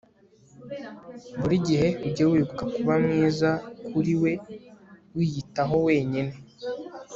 buri gihe ujye wibuka kuba mwiza kuriwe wiyitaho wenyine